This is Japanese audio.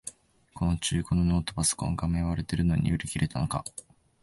この中古のノートパソコン、画面割れてるのに売り切れたのか